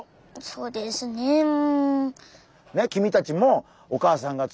そうですねうん。